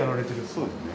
そうですね。